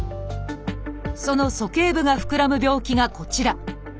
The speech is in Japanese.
その鼠径部がふくらむ病気がこちら。